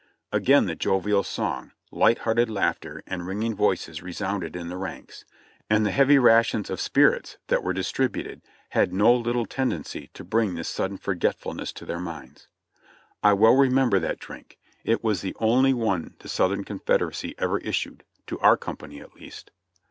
Again the jovial song, light hearted laughter and ringing voices resounded in the ranks, and the heavy rations of spirits that were distributed had no little tendency to bring this sudden forgetful ness to their minds. I well remember that drink — it was the only one the Southern Confederacy ever issued, to our company at least.